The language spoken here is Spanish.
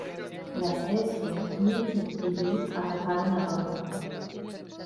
Tras esto, Nikki y Brie atacaron a Ronda.